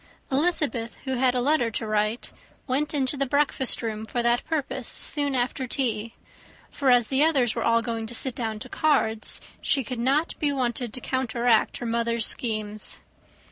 Elizabeth, who had a letter to write, went into the breakfast room for that purpose soon after tea; for as the others were all going to sit down to cards, she could not be wanted to counteract her mother's schemes.